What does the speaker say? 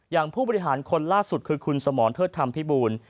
ผู้บริหารคนล่าสุดคือคุณสมรเทิดธรรมพิบูล